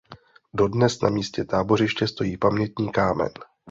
Dodnes na místě tábořiště stojí pamětní kámen.